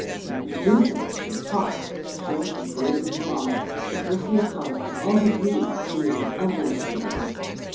And Medusa as she tossed showed her brazen claws, and Perseus saw that for all her beauty she was as ugly as the others.